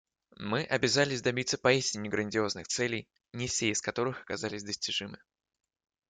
Мы обязались добиться поистине грандиозных целей, не все из которых оказались достижимы.